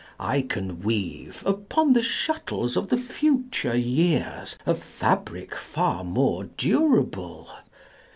I can weave Upon the shuttles of the future years A fabric far more durable.